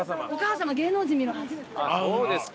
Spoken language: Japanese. そうですか。